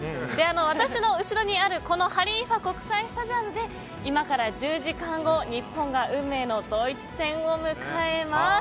私の後ろにあるハリーファ国際スタジアムで今から１０時間後日本が運命のドイツ戦を迎えます。